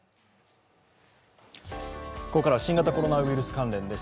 ここからは新型コロナウイルス関連です。